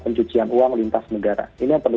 pencucian uang lintas negara ini yang perlu